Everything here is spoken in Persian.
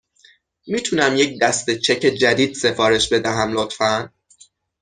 می تونم یک دسته چک جدید سفارش بدهم، لطفاً؟